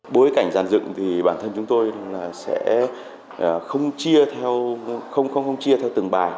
bối cảnh giàn dựng thì bản thân chúng tôi là sẽ không chia không chia theo từng bài